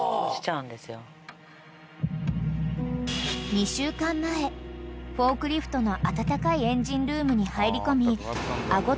［２週間前フォークリフトの温かいエンジンルームに入り込み］